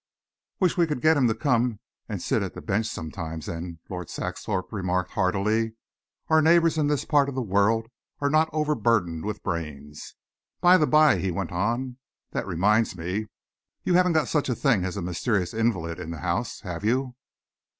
"Wish we could get him to come and sit on the bench sometimes, then," Lord Saxthorpe remarked heartily. "Our neighbours in this part of the world are not overburdened with brains. By the by," he went on, "that reminds me. You haven't got such a thing as a mysterious invalid in the house, have you?"